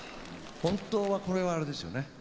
本当はこれはあれですよね